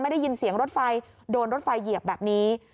ได้ยินเสียงรถไฟโดนรถไฟเหยียบแบบนี้